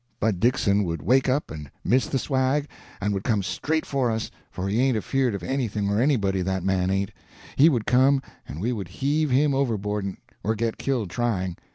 Bud Dixon would wake up and miss the swag, and would come straight for us, for he ain't afeard of anything or anybody, that man ain't. He would come, and we would heave him overboard, or get killed trying.